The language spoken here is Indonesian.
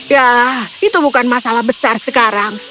ya itu bukan masalah besar sekarang